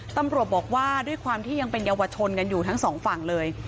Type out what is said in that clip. ตำรวจบอกว่าด้วยความที่ยังเป็นเยาวชนกันอยู่ทั้งสองฝั่งเลย